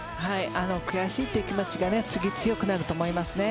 悔しいという気持ちが次、強くなると思いますね。